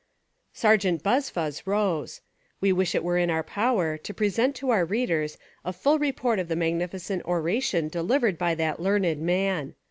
Sergeant Buzfuz rose. We wish it were within our power to present to our readers a full report of the magnificent oration deliv ered by that learned man.